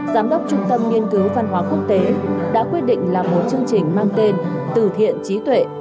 giám đốc trung tâm nghiên cứu văn hóa quốc tế đã quyết định làm một chương trình mang tên từ thiện trí tuệ